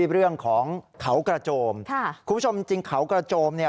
เรื่องของเขากระโจมค่ะคุณผู้ชมจริงเขากระโจมเนี่ย